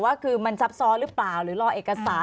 ว่าคือมันซับซ้อนหรือเปล่าหรือรอเอกสาร